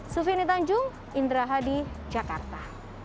sufini tanjung indra hadi jakarta